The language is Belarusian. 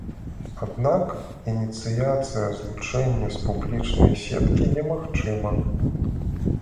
Аднак ініцыяцыя злучэння з публічнай сеткі немагчыма.